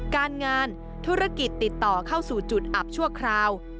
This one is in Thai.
การงานธุรกิจติดต่อเข้าสู่จุดอับชั่วคราว